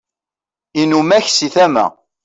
inumak si tama